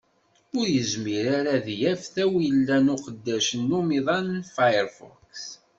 Ur yezmir ara ad d-yaf tawila n uqeddac n umiḍan Firefox.